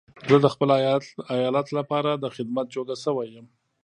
زه د خپل ايالت لپاره د خدمت جوګه شوی يم.